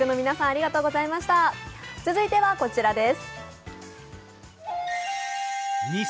続いては、こちらです。